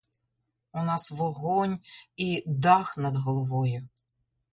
У нас вогонь і дах над головою!